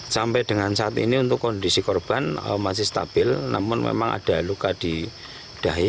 sampai dengan saat ini untuk kondisi korban masih stabil namun memang ada luka di dahi